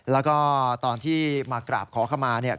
แล้วก็ตอนที่มากราบขอคำมา